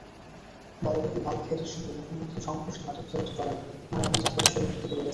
বালুবাহী বাল্কহেডের সঙ্গে মুখোমুখি সংঘর্ষে মাটিবোঝাই একটি ট্রলার নারায়ণগঞ্জের ধলেশ্বরী নদীতে ডুবে গেছে।